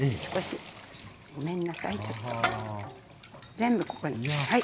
全部ここにはい。